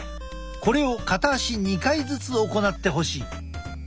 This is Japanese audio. これを片足２回ずつ行ってほしい。